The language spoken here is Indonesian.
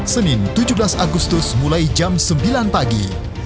senin tujuh belas agustus mulai jam sembilan pagi